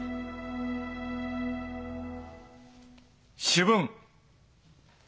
主文。